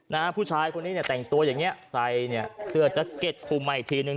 นะฮะผู้ชายคนนี้เนี่ยแต่งตัวอย่างเงี้ใส่เนี่ยเสื้อแจ็คเก็ตคุมมาอีกทีนึง